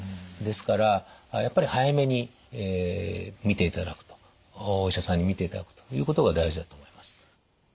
ですからやっぱり早めに診ていただくとお医者さんに診ていただくということが大事だと思います。